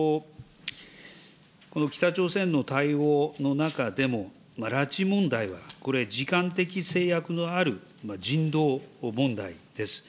この北朝鮮の対応の中でも、拉致問題はこれ、時間的制約のある人道問題です。